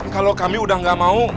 kalau kami udah gak mau